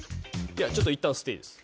いやちょっと一旦ステイです